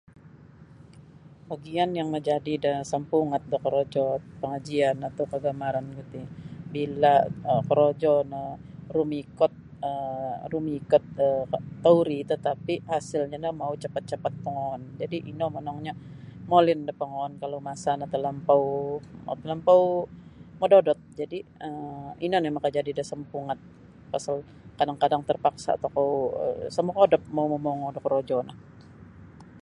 Bagian yang majadi da sampungat da korojo pangajian atau kagamaran ku ti bila um korojo no rumikot um rumikot um tauri tatapi hasilnya no mau capat-capat pongoon jadi ino monongnyo molin da pongoon kalau masa no talampau um talampau mododot jadi um ino nio makajadi da sampungat pasal kadang-kadang terpaksa tokou um isa mokodop mau momongo da korojo no.